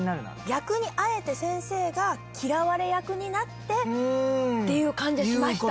逆にあえて先生が嫌われ役になってっていう感じはしましたね。